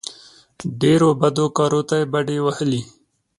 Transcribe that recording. ډېرو بدو کارو ته یې بډې وهلې.